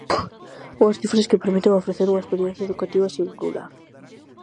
Unhas cifras que permiten ofrecer unha experiencia educativa singular.